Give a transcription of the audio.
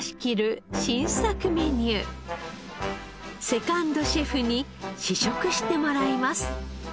セカンドシェフに試食してもらいます。